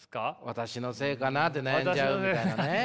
私のせいかなって悩んじゃうみたいなね。